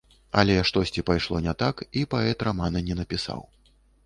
Але штосьці пайшло не так, і паэт рамана не напісаў.